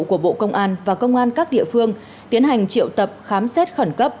của bộ công an và công an các địa phương tiến hành triệu tập khám xét khẩn cấp